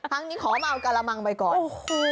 นี้ขอมาเอากระมังไปก่อน